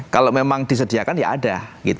kalau memang disediakan ya ada